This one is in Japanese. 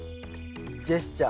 ジェスチャー。